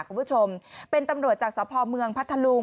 คุณผู้ชมเป็นตำรวจจากสพเมืองพัทธลุง